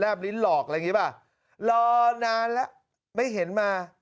แร็บลิ้นหลอกรอนานแล้วไม่เห็นมา